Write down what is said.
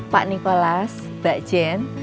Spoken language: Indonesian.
pak nicholas mbak jen